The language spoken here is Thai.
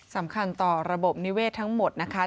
สำคัญต่อระบบนิเวศทั้งหมดนะคะ